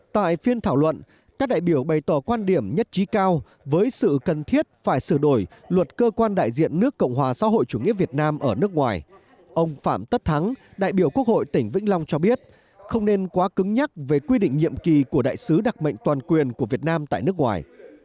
tại phiên thảo luận các đại biểu bày tỏ quan điểm nhất trí cao với sự cần thiết phải sửa đổi luật cơ quan đại diện nước cộng hòa xã hội chủ nghĩa việt nam ở nước ngoài ông phạm tất thắng đại biểu quốc hội tỉnh vĩnh long cho biết không nên quá cứng nhắc về quy định nhiệm kỳ của đại sứ đặc mệnh toàn quyền của việt nam tại nước ngoài